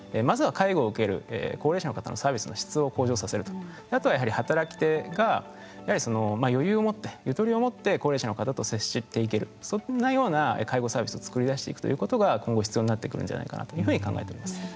まずは介護を受ける高齢者の方のサービスの質を向上させるとあとはやはり働き手が余裕を持ってゆとりを持って高齢者の方と接していけるそんなような介護サービスを作り出していくということが今後必要になってくるんじゃないかなというふうに考えています。